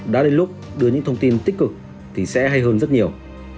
đã đến lúc đưa những thông tin tích cực thì sẽ hay hơn rất nhiều